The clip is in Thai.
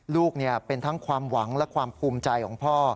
ลูกเป็นทั้งความหวังและความภูมิใจของพ่อ